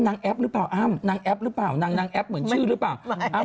แล้วเขาตอบตัวเราเดือนเร็วมากนี่นะ